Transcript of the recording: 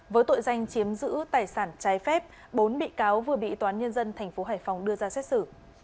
với tội danh chiếm giữ tài sản trái phép bốn bị cáo vừa bị toán nhân dân tp hải phòng đưa ra xét xử